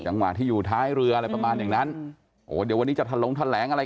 จังหวะที่อยู่ท้ายเรืออะไรประมาณอย่างนั้น